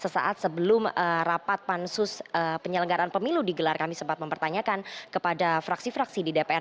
sesaat sebelum rapat pansus penyelenggaraan pemilu digelar kami sempat mempertanyakan kepada fraksi fraksi di dpr